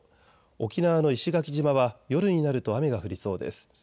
沖縄の石垣島は夜になると雨が降りそうです。